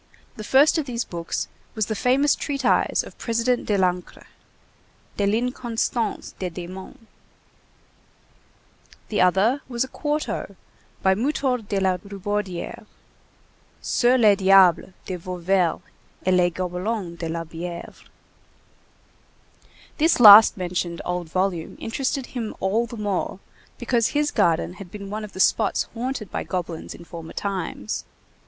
The first of these books was the famous treatise of President Delancre, De l'Inconstance des Démons; the other was a quarto by Mutor de la Rubaudière, Sur les Diables de Vauvert et les Gobelins de la Bièvre. This last mentioned old volume interested him all the more, because his garden had been one of the spots haunted by goblins in former times.